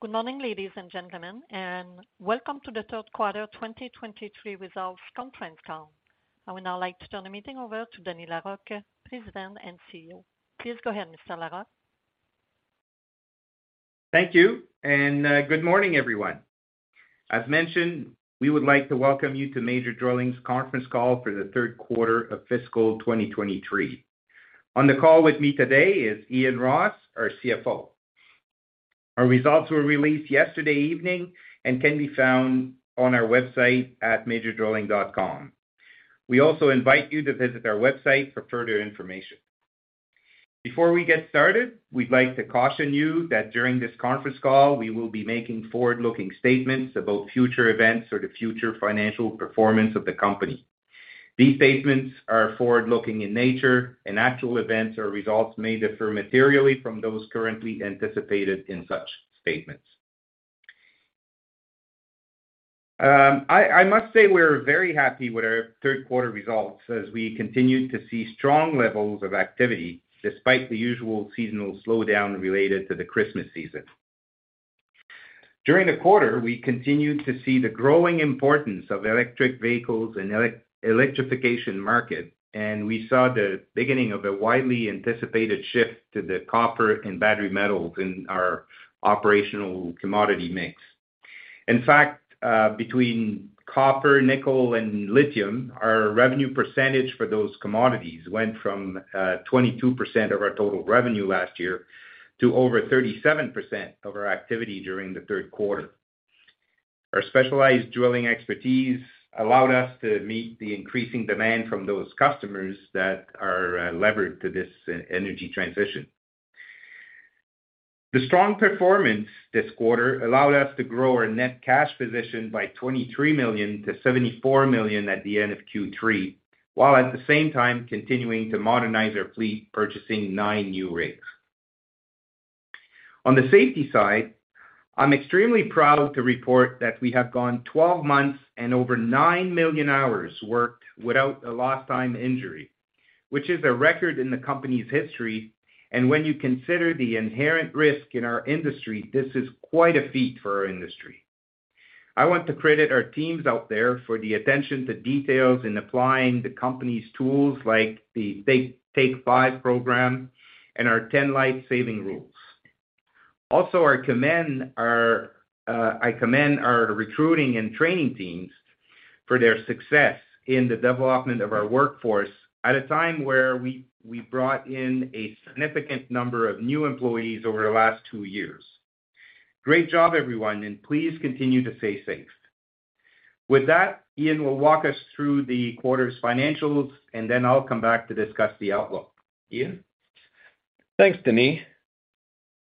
Good morning, ladies and gentlemen, welcome to the Third Quarter 2023 Results Conference Call. I would now like to turn the meeting over to Denis Larocque, President and CEO. Please go ahead, Mr. Larocque. Thank you, good morning, everyone. As mentioned, we would like to welcome you to Major Drilling's conference call for the third quarter of fiscal 2023. On the call with me today is Ian Ross, our CFO. Our results were released yesterday evening and can be found on our website at majordrilling.com. We also invite you to visit our website for further information. Before we get started, we'd like to caution you that during this conference call, we will be making forward-looking statements about future events or the future financial performance of the company. These statements are forward-looking in nature, actual events or results may differ materially from those currently anticipated in such statements. I must say we're very happy with our third quarter results as we continued to see strong levels of activity despite the usual seasonal slowdown related to the Christmas season. During the quarter, we continued to see the growing importance of electric vehicles and electrification market. We saw the beginning of a widely anticipated shift to the copper and battery metals in our operational commodity mix. Between copper, nickel, and lithium, our revenue percentage for those commodities went from 22% of our total revenue last year to over 37% of our activity during the third quarter. Our specialized drilling expertise allowed us to meet the increasing demand from those customers that are levered to this e-energy transition. The strong performance this quarter allowed us to grow our net cash position by 23 million to 74 million at the end of Q3, while at the same time continuing to modernize our fleet, purchasing nine new rigs. On the safety side, I'm extremely proud to report that we have gone 12 months and over 9 million hours worked without a lost time injury, which is a record in the company's history. When you consider the inherent risk in our industry, this is quite a feat for our industry. I want to credit our teams out there for the attention to details in applying the company's tools like the TAKE 5 program and our 10 Lifesaving Rules. I commend our recruiting and training teams for their success in the development of our workforce at a time where we brought in a significant number of new employees over the last two years. Great job, everyone, and please continue to stay safe. With that, Ian will walk us through the quarter's financials, and then I'll come back to discuss the outlook. Ian? Thanks, Denis.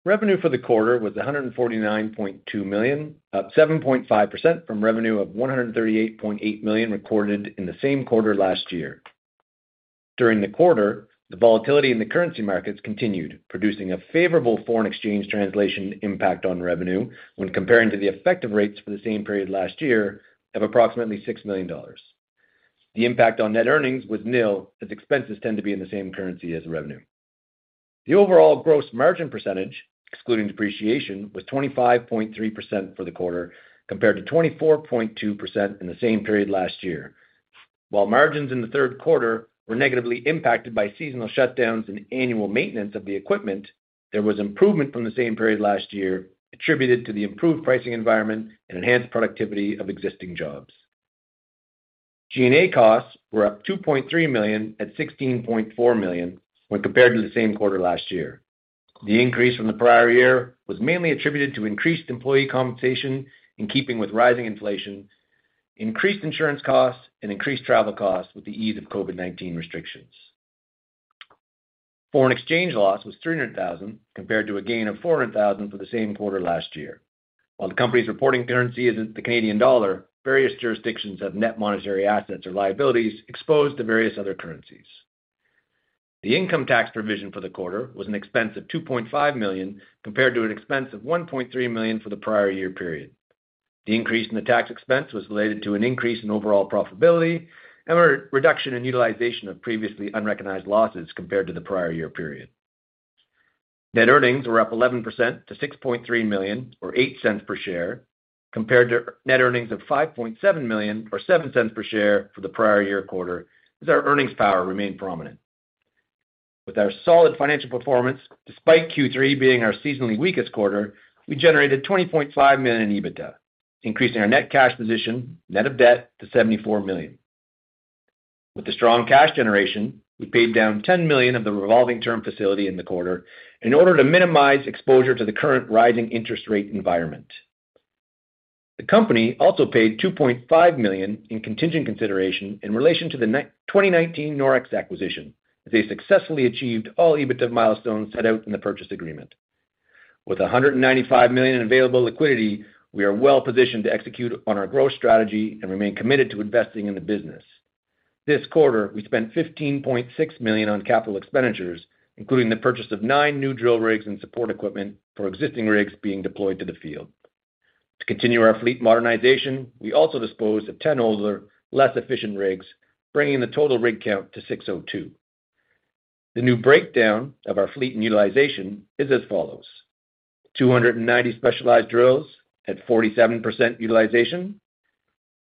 Revenue for the quarter was 149.2 million, up 7.5% from revenue of 138.8 million recorded in the same quarter last year. During the quarter, the volatility in the currency markets continued, producing a favorable foreign exchange translation impact on revenue when comparing to the effective rates for the same period last year of approximately 6 million dollars. The impact on net earnings was nil, as expenses tend to be in the same currency as revenue. The overall gross margin percentage, excluding depreciation, was 25.3% for the quarter, compared to 24.2% in the same period last year. While margins in the third quarter were negatively impacted by seasonal shutdowns and annual maintenance of the equipment, there was improvement from the same period last year, attributed to the improved pricing environment and enhanced productivity of existing jobs. G&A costs were up 2.3 million at 16.4 million when compared to the same quarter last year. The increase from the prior year was mainly attributed to increased employee compensation in keeping with rising inflation, increased insurance costs, and increased travel costs with the ease of COVID-19 restrictions. Foreign exchange loss was 300,000, compared to a gain of 400,000 for the same quarter last year. While the company's reporting currency is the Canadian dollar, various jurisdictions have net monetary assets or liabilities exposed to various other currencies. The income tax provision for the quarter was an expense of 2.5 million, compared to an expense of 1.3 million for the prior year period. The increase in the tax expense was related to an increase in overall profitability and re-reduction in utilization of previously unrecognized losses compared to the prior year period. Net earnings were up 11% to 6.3 million or 0.08 per share, compared to net earnings of 5.7 million or 0.07 per share for the prior year quarter, as our earnings power remained prominent. With our solid financial performance, despite Q3 being our seasonally weakest quarter, we generated 20.5 million in EBITDA, increasing our net cash position net of debt to 74 million. With the strong cash generation, we paid down 10 million of the revolving credit facility in the quarter in order to minimize exposure to the current rising interest rate environment. The company also paid 2.5 million in contingent consideration in relation to the 2019 Norex acquisition, as they successfully achieved all EBITDA milestones set out in the purchase agreement. With 195 million available liquidity, we are well positioned to execute on our growth strategy and remain committed to investing in the business. This quarter, we spent 15.6 million on capital expenditures, including the purchase of nine new drill rigs and support equipment for existing rigs being deployed to the field. To continue our fleet modernization, we also disposed of 10 older, less efficient rigs, bringing the total rig count to 602. The new breakdown of our fleet utilization is as follows. 290 specialized drills at 47% utilization,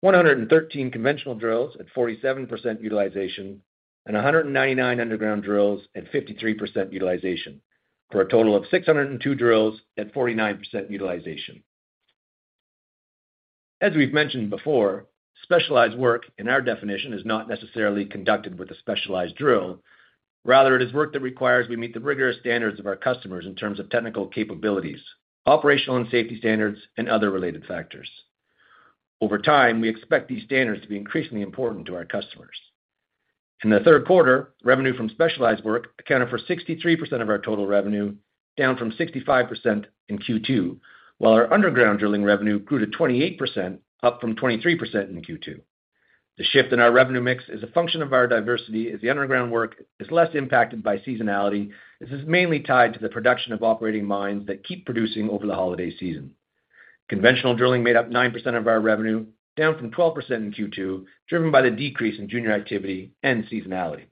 113 conventional drills at 47% utilization, and 199 underground drills at 53% utilization. For a total of 602 drills at 49% utilization. As we've mentioned before, specialized work in our definition is not necessarily conducted with a specialized drill. Rather, it is work that requires we meet the rigorous standards of our customers in terms of technical capabilities, operational and safety standards, and other related factors. Over time, we expect these standards to be increasingly important to our customers. In the third quarter, revenue from specialized work accounted for 63% of our total revenue, down from 65% in Q2, while our underground drilling revenue grew to 28%, up from 23% in Q2. The shift in our revenue mix is a function of our diversity as the underground work is less impacted by seasonality. This is mainly tied to the production of operating mines that keep producing over the holiday season. Conventional drilling made up 9% of our revenue, down from 12% in Q2, driven by the decrease in junior activity and seasonality.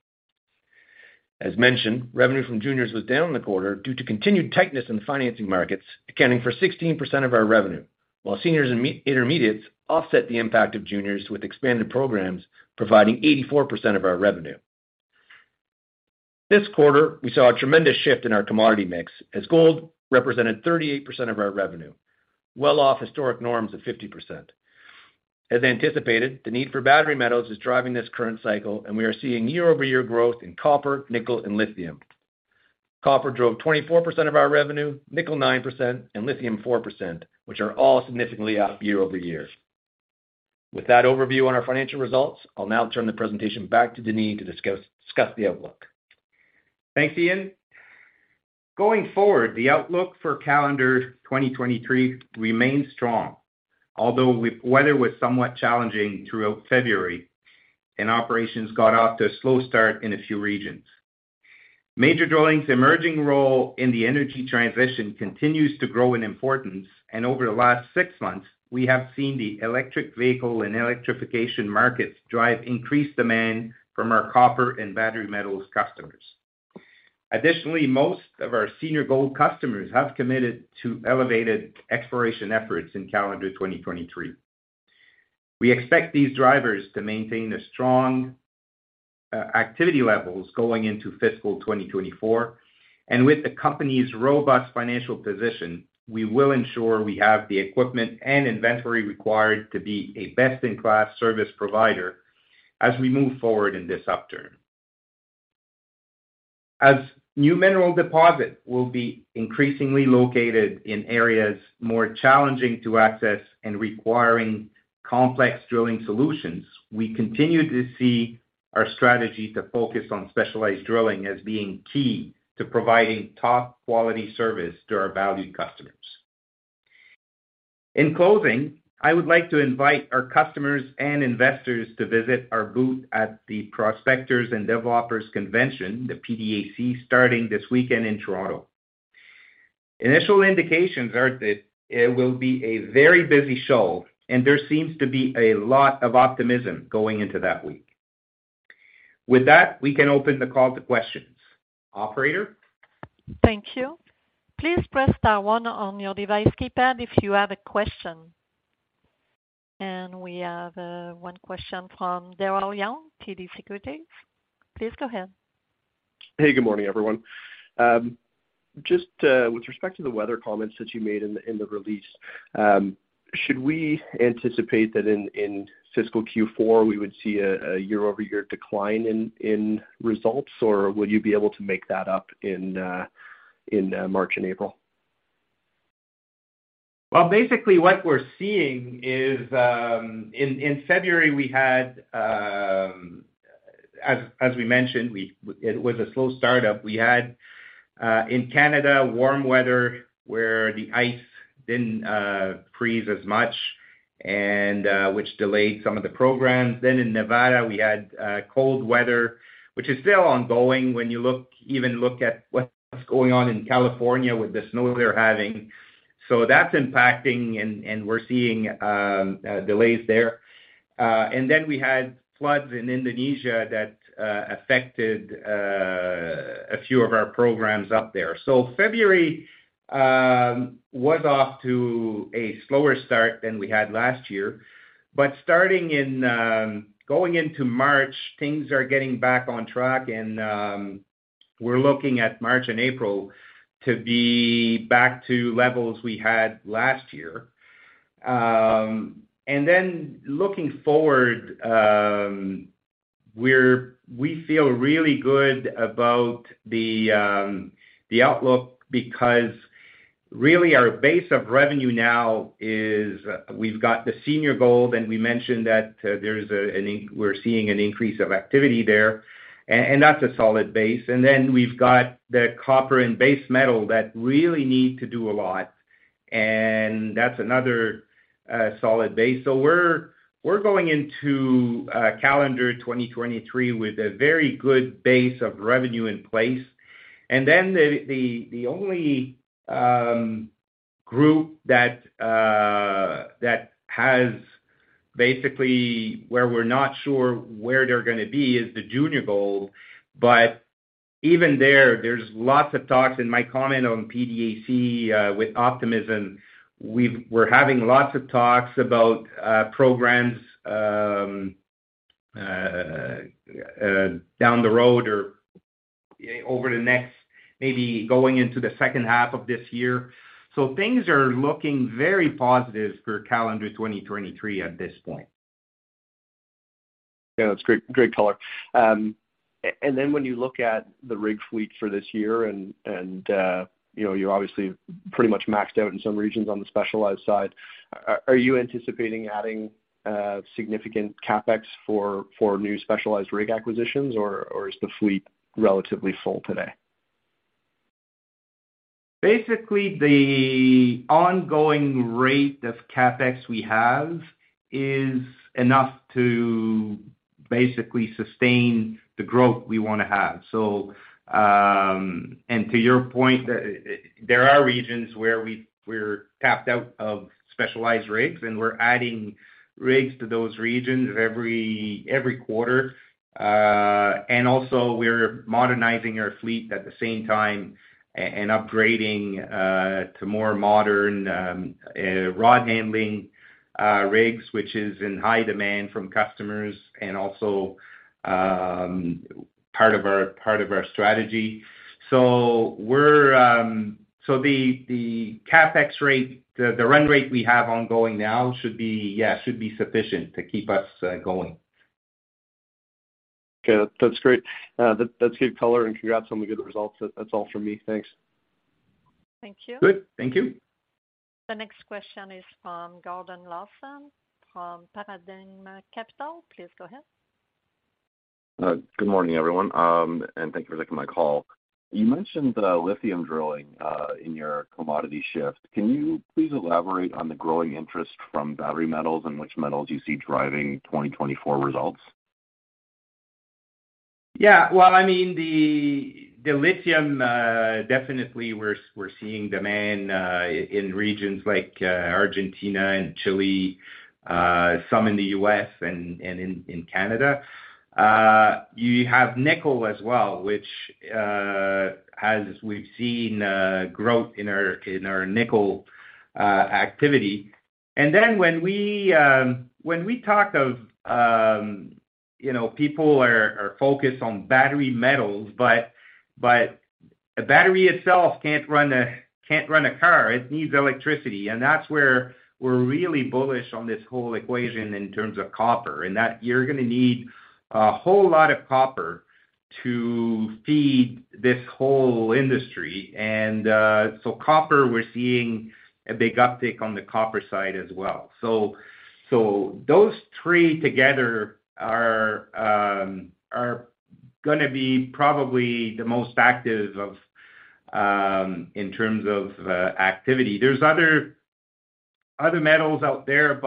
As mentioned, revenue from juniors was down in the quarter due to continued tightness in the financing markets, accounting for 16% of our revenue, while seniors and intermediates offset the impact of juniors with expanded programs, providing 84% of our revenue. This quarter, we saw a tremendous shift in our commodity mix as gold represented 38% of our revenue, well off historic norms of 50%. As anticipated, the need for battery metals is driving this current cycle, we are seeing year-over-year growth in copper, nickel, and lithium. Copper drove 24% of our revenue, nickel 9%, and lithium 4%, which are all significantly up year-over-year. With that overview on our financial results, I'll now turn the presentation back to Denis to discuss the outlook. Thanks, Ian. Going forward, the outlook for calendar 2023 remains strong. Although weather was somewhat challenging throughout February, and operations got off to a slow start in a few regions. Major Drilling's emerging role in the energy transition continues to grow in importance, and over the last six months, we have seen the electric vehicle and electrification markets drive increased demand from our copper and battery metals customers. Additionally, most of our senior gold customers have committed to elevated exploration efforts in calendar 2023. We expect these drivers to maintain the strong activity levels going into fiscal 2024. With the company's robust financial position, we will ensure we have the equipment and inventory required to be a best-in-class service provider as we move forward in this upturn. As new mineral deposit will be increasingly located in areas more challenging to access and requiring complex drilling solutions, we continue to see our strategy to focus on specialized drilling as being key to providing top quality service to our valued customers. In closing, I would like to invite our customers and investors to visit our booth at the Prospectors and Developers Convention, the PDAC, starting this weekend in Toronto. Initial indications are that it will be a very busy show, and there seems to be a lot of optimism going into that week. With that, we can open the call to questions. Operator? Thank you. Please press star one on your device keypad if you have a question. We have one question from Daryl Young, TD Securities. Please go ahead. Hey, good morning, everyone. just with respect to the weather comments that you made in the release, should we anticipate that in fiscal Q4, we would see a year-over-year decline in results, or will you be able to make that up in March and April? Well, basically what we're seeing is, in February, we had, as we mentioned, it was a slow startup. We had in Canada, warm weather where the ice didn't freeze as much and which delayed some of the programs. In Nevada, we had cold weather, which is still ongoing when you look, even look at what's going on in California with the snow they're having. That's impacting and we're seeing delays there. Then we had floods in Indonesia that affected a few of our programs up there. February was off to a slower start than we had last year. Starting in going into March, things are getting back on track and we're looking at March and April to be back to levels we had last year. Looking forward, we feel really good about the outlook because really our base of revenue now is we've got the senior gold, and we mentioned that there's we're seeing an increase of activity there, and that's a solid base. We've got the copper and base metal that really need to do a lot, and that's another solid base. We're going into calendar 2023 with a very good base of revenue in place. The only group that Basically, where we're not sure where they're gonna be is the junior gold. Even there's lots of talks, and my comment on PDAC, with optimism, we're having lots of talks about programs down the road or over the next, maybe going into the second half of this year. Things are looking very positive for calendar 2023 at this point. Yeah, that's great color. When you look at the rig fleet for this year and, you know, you're obviously pretty much maxed out in some regions on the specialized side, are you anticipating adding significant CapEx for new specialized rig acquisitions or is the fleet relatively full today? Basically, the ongoing rate of CapEx we have is enough to basically sustain the growth we wanna have. And to your point, there are regions where we're tapped out of specialized rigs, and we're adding rigs to those regions every quarter. Also we're modernizing our fleet at the same time and upgrading to more modern rod handling rigs, which is in high demand from customers and also part of our strategy. We're, so the CapEx rate, the run rate we have ongoing now should be sufficient to keep us going. Okay, that's great. That's good color, and congrats on the good results. That's all for me. Thanks. Thank you. Good. Thank you. The next question is from Gordon Lawson, from Paradigm Capital. Please go ahead. Good morning, everyone. Thank you for taking my call. You mentioned lithium drilling in your commodity shift. Can you please elaborate on the growing interest from battery metals and which metals you see driving 2024 results? Yeah. Well, I mean, the lithium, definitely we're seeing demand in regions like Argentina and Chile, some in the U.S. and in Canada. You have nickel as well, which as we've seen growth in our nickel activity. When we talk of, you know, people are focused on battery metals, but a battery itself can't run a car. It needs electricity, and that's where we're really bullish on this whole equation in terms of copper, and that you're gonna need a whole lot of copper to feed this whole industry. Copper, we're seeing a big uptick on the copper side as well. Those three together are gonna be probably the most active of in terms of activity. There's other metals out there,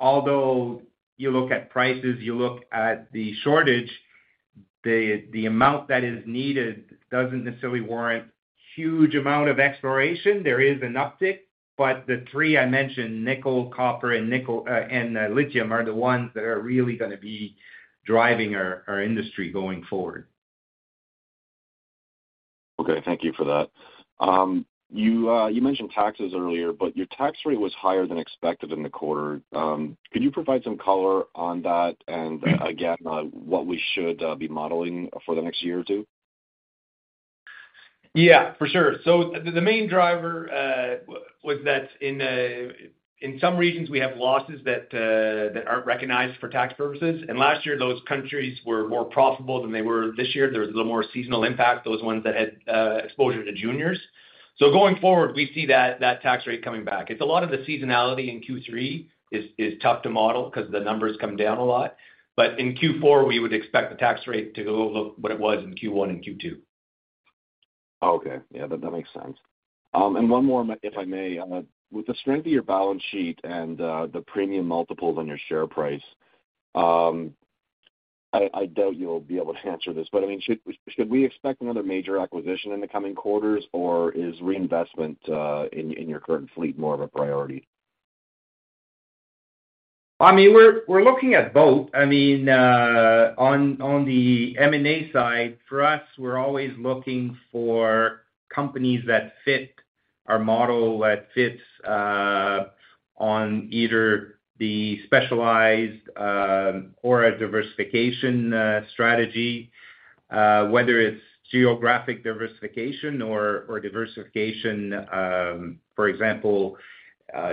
although you look at prices, you look at the shortage, the amount that is needed doesn't necessarily warrant huge amount of exploration. There is an uptick, the three I mentioned, nickel, copper and lithium, are the ones that are really gonna be driving our industry going forward. Okay, thank you for that. You mentioned taxes earlier, but your tax rate was higher than expected in the quarter. Could you provide some color on that and again, what we should be modeling for the next year or two? Yeah, for sure. The main driver was that in some regions, we have losses that aren't recognized for tax purposes. Last year, those countries were more profitable than they were this year. There was a little more seasonal impact, those ones that had exposure to juniors. Going forward, we see that tax rate coming back. It's a lot of the seasonality in Q3 is tough to model because the numbers come down a lot. But in Q4, we would expect the tax rate to look what it was in Q1 and Q2. Okay. Yeah, that makes sense. One more, if I may. With the strength of your balance sheet and the premium multiples on your share price, I doubt you'll be able to answer this, but, I mean, should we expect another major acquisition in the coming quarters, or is reinvestment in your current fleet more of a priority? I mean, we're looking at both. I mean, on the M&A side, for us, we're always looking for companies that fit our model, that fits on either the specialized or a diversification strategy, whether it's geographic diversification or diversification, for example,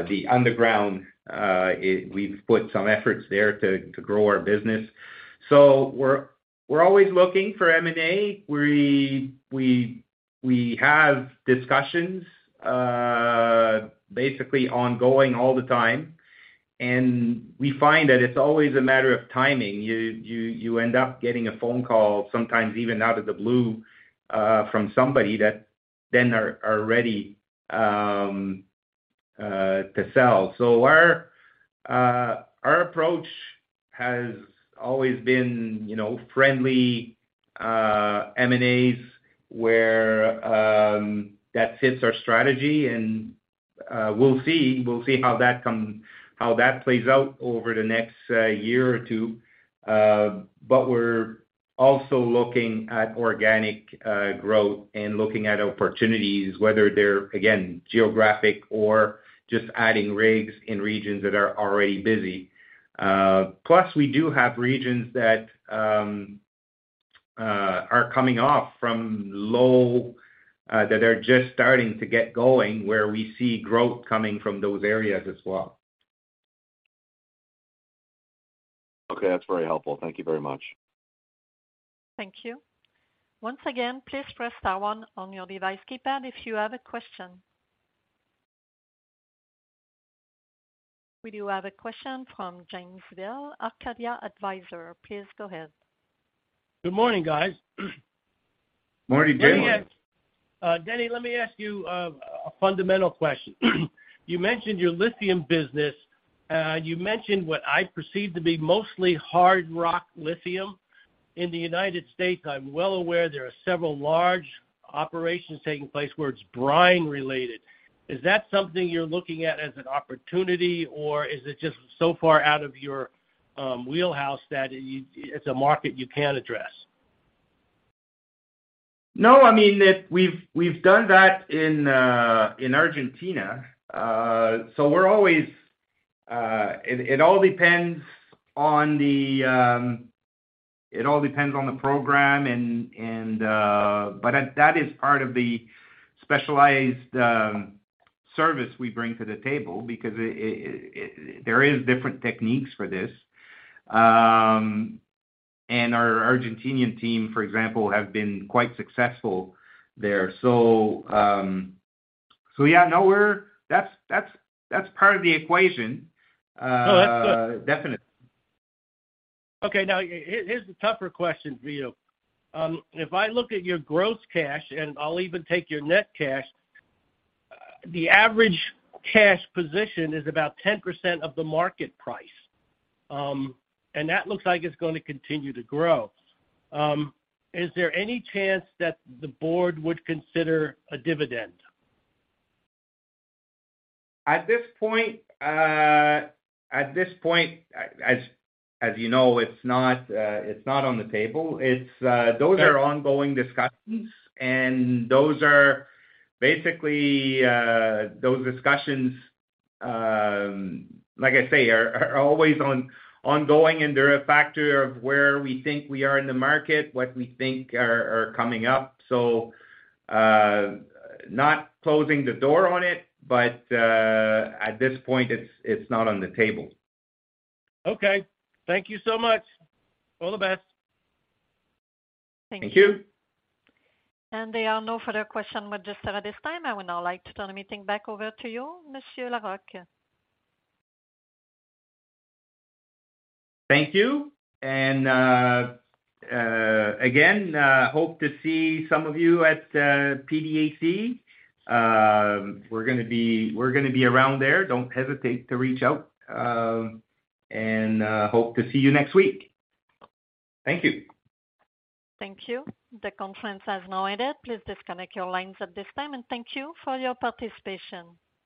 the underground. We've put some efforts there to grow our business. We're always looking for M&A. We have discussions, basically ongoing all the time. We find that it's always a matter of timing. You end up getting a phone call, sometimes even out of the blue, from somebody that then are ready to sell. Our approach has always been, you know, friendly M&As where that fits our strategy and we'll see how that plays out over the next year or two. We're also looking at organic growth and looking at opportunities, whether they're, again, geographic or just adding rigs in regions that are already busy. Plus, we do have regions that are coming off from low that are just starting to get going where we see growth coming from those areas as well. Okay, that's very helpful. Thank you very much. Thank you. Once again, please press star one on your device keypad if you have a question. We do have a question from James Vail, Arcadia Advisors. Please go ahead. Good morning, guys. Morning, James. Denis, let me ask you a fundamental question. You mentioned your lithium business. You mentioned what I perceive to be mostly hard rock lithium. In the United States, I'm well aware there are several large operations taking place where it's brine related. Is that something you're looking at as an opportunity, or is it just so far out of your wheelhouse that it's a market you can't address? No, I mean, we've done that in Argentina. We're always, it all depends on the program. That is part of the specialized service we bring to the table because there is different techniques for this. Our Argentinian team, for example, have been quite successful there. Yeah, no, we're, that's part of the equation. No, that's good. Definitely. Okay, now, here's a tougher question for you. If I look at your gross cash, and I'll even take your net cash, the average cash position is about 10% of the market price. That looks like it's gonna continue to grow. Is there any chance that the board would consider a dividend? At this point, as you know, it's not on the table. It's. Yeah. Those are ongoing discussions, and those are basically, those discussions, like I say, are always ongoing, and they're a factor of where we think we are in the market, what we think are coming up. Not closing the door on it, but, at this point, it's not on the table. Okay. Thank you so much. All the best. Thank you. There are no further question with us at this time. I would now like to turn the meeting back over to you, Monsieur Larocque. Thank you. Again, hope to see some of you at PDAC. We're gonna be around there. Don't hesitate to reach out, hope to see you next week. Thank you. Thank you. The conference has now ended. Please disconnect your lines at this time. Thank you for your participation.